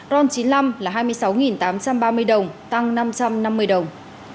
ron chín mươi năm là hai mươi sáu tám trăm ba mươi đồng tăng năm trăm năm mươi đồng